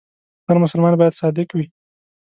هر مسلمان باید صادق وي.